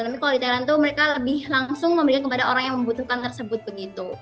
tapi kalau di thailand itu mereka lebih langsung memberikan kepada orang yang membutuhkan tersebut begitu